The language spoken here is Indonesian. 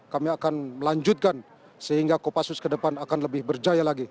kami akan melanjutkan sehingga kopassus ke depan akan lebih berjaya lagi